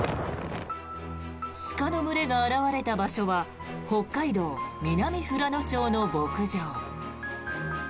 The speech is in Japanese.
鹿の群れが現れた場所は北海道南富良野町の牧場。